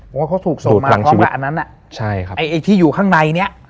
เพราะเขาถูกส่งมาพร้อมกับอันนั้นไอที่อยู่ข้างในนี้